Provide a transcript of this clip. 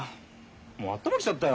もう頭来ちゃったよ！